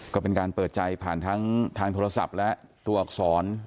ก็เป็นการเปิดใจผ่านทั้งทางโทรศัพท์และตัวอักษร